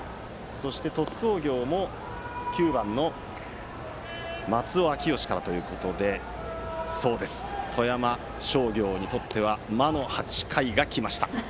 そして鳥栖工業も９番の松尾明芳からということでそうです、富山商業にとっては魔の８回が来ました。